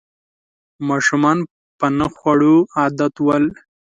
ماشومان په نه خوړو عادت ول